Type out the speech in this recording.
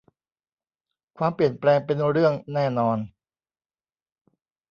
ความเปลี่ยนแปลงเป็นเรื่องแน่นอน